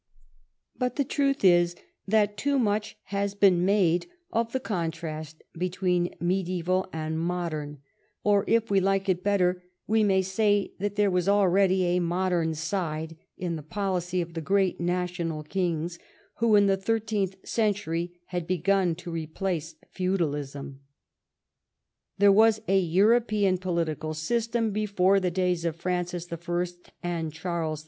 But the truth is, that too much has been made of the contrast between mediaeval and modern; or, if we like it better, we may say that there was already a modern side in the policy of the great national kings Avho in the thirteenth century had begun to replace feudalism. There was a European political system before the days of Francis I. and Charles V.